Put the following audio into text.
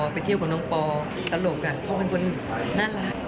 ไปเที่ยวกับน้องปอตลกเขาเป็นคนน่ารัก